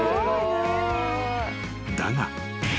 ［だが］